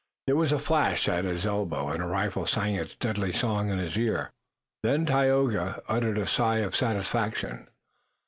There was a flash at his elbow and a rifle sang its deadly song in his ear. Then Tayoga uttered a sigh of satisfaction.